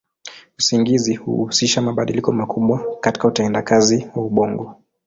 Usingizi huhusisha mabadiliko makubwa katika utendakazi wa ubongo.